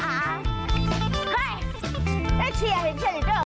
เฮ้ยได้เชียร์เห็นใช่หรือด้วย